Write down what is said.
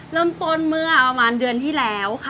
เริ่มต้นเมื่อประมาณเดือนที่แล้วค่ะ